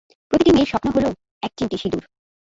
প্রতিটি মেয়ের স্বপ্ন হলো, এক চিমটি সিদুর।